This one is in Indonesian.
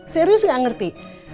serius gak ngerti